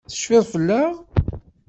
Tecfiḍ fell-aɣ?